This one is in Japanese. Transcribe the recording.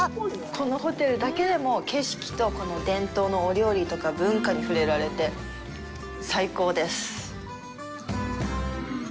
このホテルだけでも景色と、この伝統のお料理とか文化に触れられて最高です。